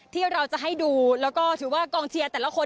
ที่เราจะให้ดูแล้วก็ถือว่ากองเชียร์แต่ละคน